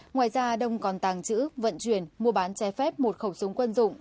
ngoài ra đông còn tàng trữ vận chuyển mua bán trái phép một khẩu súng quân dụng